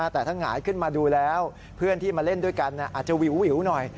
แต่ถ้าหงายขึ้นมาดูแล้วเพื่อนที่มาเล่นด้วยกันอาจจะวิวหน่อย